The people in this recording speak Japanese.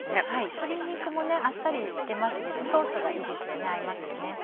鶏肉もあっさりしてますけどソースがいいですよね合いますよね。